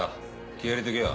気合入れてけよ。